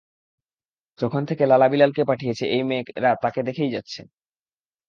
যখন থেকে লালা বিলালকে পাঠিয়েছে, এই মেয়েরা তাকে দেখেই যাচ্ছে।